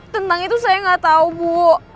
tentang itu saya nggak tahu bu